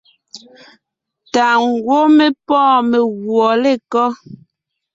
Tà ngwɔ́ mé pɔ́ɔn meguɔ lekɔ́?